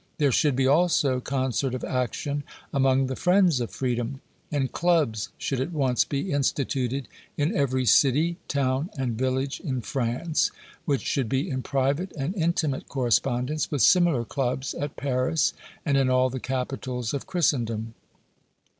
There should be, also, concert of action among the friends of freedom, and clubs should at once be instituted in every city, town and village in France, which should be in private and intimate correspondence with similar clubs at Paris and in all the capitals of Christendom.